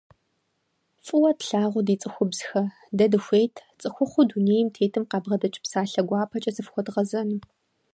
ФӀыуэ тлъагъу ди цӀыхубзхэ! Дэ дыхуейт цӀыхухъуу дунейм тетым къабгъэдэкӀ псалъэ гуапэкӀэ зыфхуэдгъэзэну.